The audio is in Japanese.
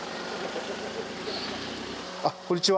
あっこんにちは。